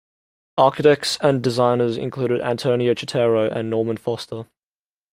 Architects and designers included Antonio Citterio and Norman Foster.